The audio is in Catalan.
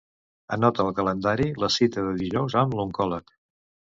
Anota al calendari la cita de dijous amb l'oncòleg.